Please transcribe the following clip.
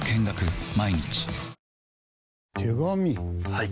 はい。